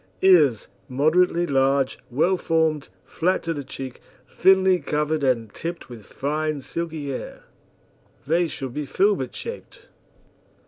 EARS Moderately large, well formed, flat to the cheek, thinly covered and tipped with fine silky hair. They should be filbert shaped.